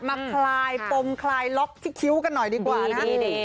คลายปมคลายล็อกที่คิ้วกันหน่อยดีกว่านะ